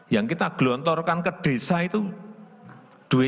yang kita gelontorkan ke desa itu duitnya juga bukan duit yang terbaik